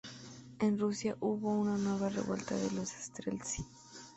En Rusia hubo una nueva revuelta de los Streltsí.